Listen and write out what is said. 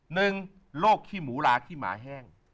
หนึ่งโรคขี้หมูลากขี้หมาแห้ง